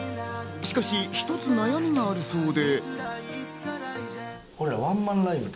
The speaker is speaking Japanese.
しかし、一つ悩みがあるそうで。